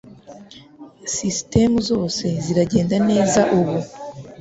Sisitemu zose ziragenda neza ubu